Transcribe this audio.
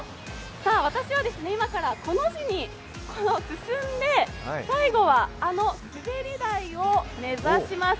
私は今から、コの字に進んで最後はあの滑り台を目指します。